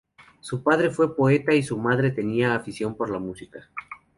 Su padre fue poeta y su madre tenía afición por la música.